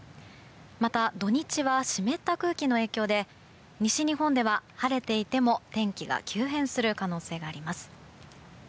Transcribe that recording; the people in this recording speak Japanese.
また、土日は湿った空気の影響で西日本では晴れていても天気が急変する可能性があります。